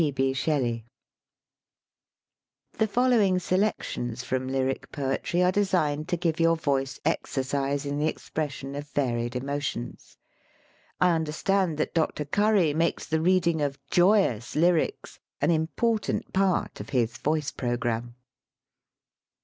P. B. SHELLEY. The following selections from lyric poetry are designed to give your voice exercise in the expression of varied emotions. I under stand that Dr. Curry makes the reading of joyous lyrics an important part of his voice programme.